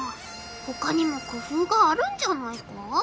ほかにもくふうがあるんじゃないか？